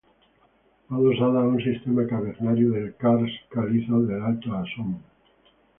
Fue adosada a un sistema cavernario del karst calizo del Alto Asón.